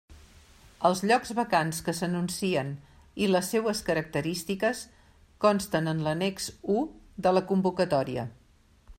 Els llocs vacants que s'anuncien i les seues característiques consten en l'annex u de la convocatòria.